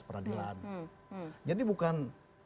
peradilan jadi bukan